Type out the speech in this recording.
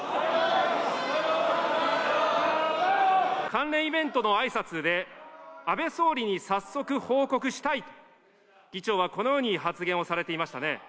関連イベントのあいさつで、安倍総理に早速報告したいと、議長はこのように発言されていましたね。